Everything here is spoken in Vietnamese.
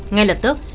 ngay lập tức